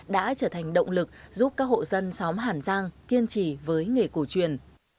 đã trở thành động lực giúp các hộ dân xóm hàn giang kiên trì với nghề cổ truyền